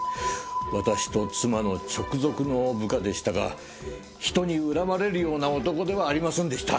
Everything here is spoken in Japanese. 私と妻の直属の部下でしたが人に恨まれるような男ではありませんでした。